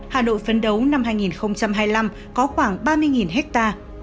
hà nội phấn đấu năm hai nghìn hai mươi năm có khoảng ba mươi hectare